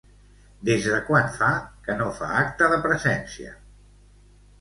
Des de quan fa que no fa acte de presència?